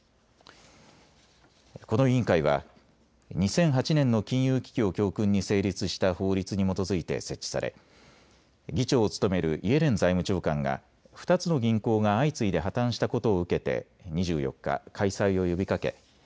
この委員会は２００８年の金融危機を教訓に成立した法律に基づいて設置され議長を務めるイエレン財務長官が２つの銀行が相次いで破綻したことを受けて２４日、開催を呼びかけ